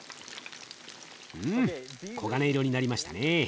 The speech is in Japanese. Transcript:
うん黄金色になりましたね。